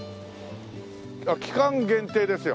あっ期間限定ですよ。